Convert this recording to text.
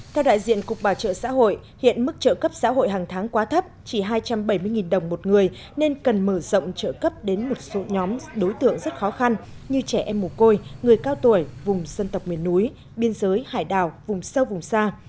theo đại diện cục bảo trợ xã hội hiện mức trợ cấp xã hội hàng tháng quá thấp chỉ hai trăm bảy mươi đồng một người nên cần mở rộng trợ cấp đến một số nhóm đối tượng rất khó khăn như trẻ em mù côi người cao tuổi vùng dân tộc miền núi biên giới hải đảo vùng sâu vùng xa